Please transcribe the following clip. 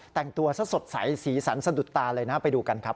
แต่งตัวซะสดใสสีสันสะดุดตาเลยนะไปดูกันครับ